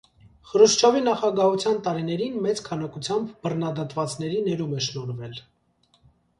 Խրուշչովի նախագահության տարիներին մեծ քանակությամբ բռնադատվածների ներում է շնորհվել։